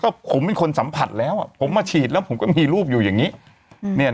ก็ผมเป็นคนสัมผัสแล้วผมมาฉีดแล้วผมก็มีรูปอยู่อย่างนี้